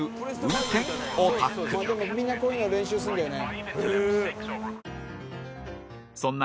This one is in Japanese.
みんなこういうので練習するんだよね。